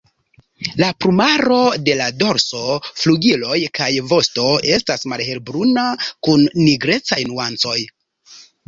La plumaro de la dorso, flugiloj kaj vosto estas malhelbruna kun nigrecaj nuancoj.